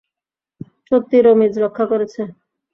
সত্যিই, রামজি রক্ষা করেছে।